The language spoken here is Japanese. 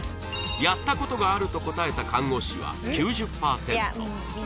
「やった事がある」と答えた看護師は９０パーセント